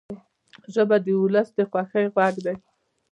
ژبه د ولس د خوښۍ غږ دی